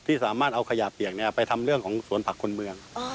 ที่สามารถเอาขยะเปียกไปทำเรื่องของสวนผักคนเมือง